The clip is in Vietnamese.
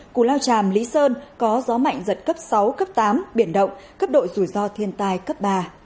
cù lao tràm lý sơn có gió mạnh giật cấp sáu cấp tám biển động cấp độ rủi ro thiên tai cấp ba